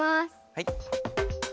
はい。